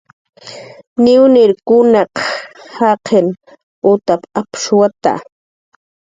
"Niwniekunaq jaqin utap"" apshuwata"